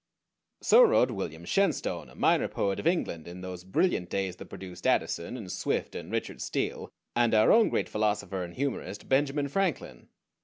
So wrote William Shenstone, a minor poet of England in those brilliant days that produced Addison, and Swift, and Richard Steele, and our own great philosopher and humorist Benjamin Franklin.